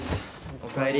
・おかえり。